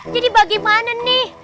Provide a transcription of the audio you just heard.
jadi bagaimana nih